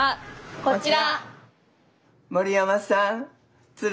こちら！